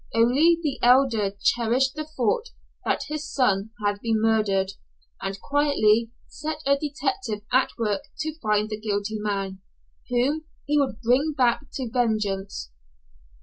Only the Elder cherished the thought that his son had been murdered, and quietly set a detective at work to find the guilty man whom he would bring back to vengeance.